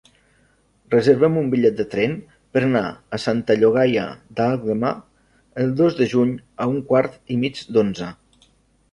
Reserva'm un bitllet de tren per anar a Santa Llogaia d'Àlguema el dos de juny a un quart i mig d'onze.